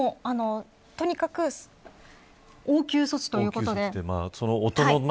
とにかく応急措置ということです。